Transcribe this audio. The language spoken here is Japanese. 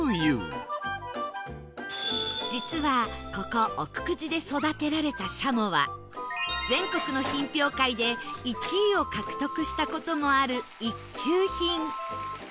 実はここ奥久慈で育てられたしゃもは全国の品評会で１位を獲得した事もある一級品